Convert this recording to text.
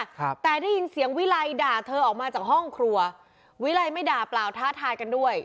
ครับแต่ได้ยินเสียงวิไลด่าเธอออกมาจากห้องครัววิรัยไม่ด่าเปล่าท้าทายกันด้วย